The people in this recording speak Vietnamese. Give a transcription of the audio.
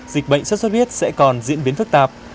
dịch bệnh xuất xuất huyết sẽ còn diễn biến phức tạp